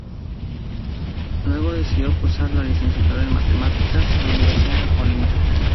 Luego decidió cursar la Licenciatura en Matemáticas en la Universidad de Colima.